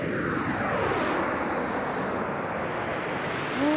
うわ！